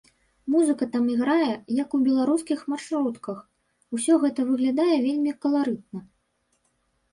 Музыка там іграе, як у беларускіх маршрутках, усё гэта выглядае вельмі каларытна.